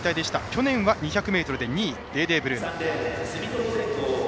去年は２００ｍで２位デーデーブルーノ。